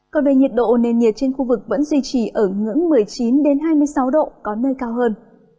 còn về nhiệt độ nền nhiệt trên khu vực vẫn duy trì ở ngưỡng một mươi chín hai mươi sáu độ có nơi cao hơn